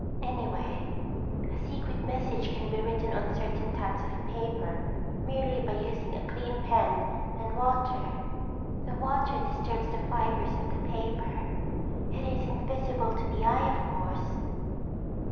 "Anyway, a secret message can be written on certain types of paper merely by using a clean pen and water. The water disturbs the fibers of the paper—it isn't visible to the eye, of course."